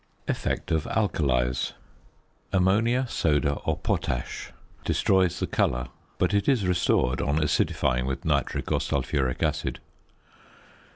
~Effect of Alkalies.~ Ammonia, soda, or potash destroys the colour, but it is restored on acidifying with nitric or sulphuric acid.